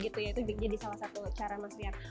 itu jadi salah satu cara mas rian